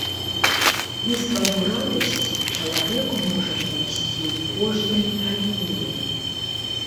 І сваю радасць чалавек можа знайсці ў кожнай травіне.